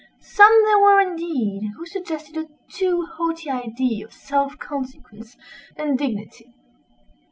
Some there were, indeed, who suggested a too haughty idea of self consequence and dignity.